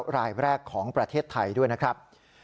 รายแรกของประเทศไทยด้วยนะครับ